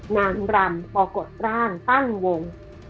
นางรำปรากฏร่างตั้งวง